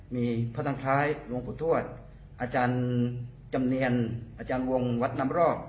มีพระนางคล้ายหลวงปู่ทวชอาจารย์จำเนียนอาจารย์วงวัดน้ำรอก